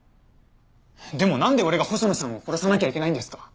でもなんで俺が細野さんを殺さなきゃいけないんですか？